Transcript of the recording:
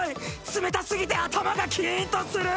冷たすぎて頭がキンとする。